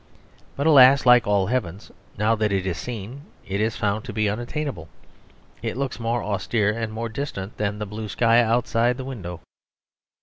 But alas! like all heavens, now that it is seen it is found to be unattainable; it looks more austere and more distant than the blue sky outside the window.